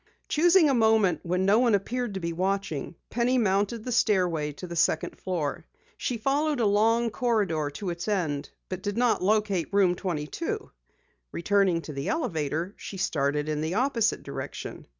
Choosing a moment when no one appeared to be watching, Penny mounted the stairway to the second floor. She followed a long corridor to its end but did not locate Room 22. Returning to the elevator, she started in the opposite direction.